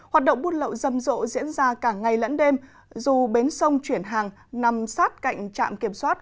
hoạt động buôn lậu rầm rộ diễn ra cả ngày lẫn đêm dù bến sông chuyển hàng nằm sát cạnh trạm kiểm soát